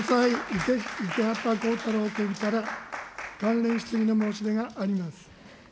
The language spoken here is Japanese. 池畑浩太朗君から関連質疑の申し出があります。